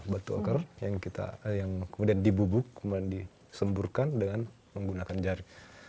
batu oker yang kemudian dibubuk kemudian disemburkan dengan menggunakan jari